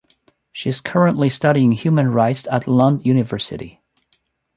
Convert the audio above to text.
She is currently studying human rights at Lund University.